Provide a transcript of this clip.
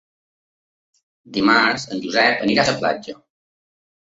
Dimarts en Josep anirà a la platja.